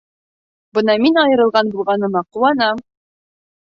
Бына мин айырылған булғаныма ҡыуанам.